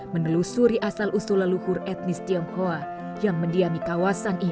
menelusuri asal usul leluhur etnis tionghoa yang mendiami kawasan ini